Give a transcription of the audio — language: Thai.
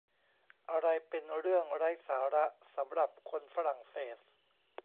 อะไรเป็นเรื่องไร้สาระสำหรับคนฝรั่งเศส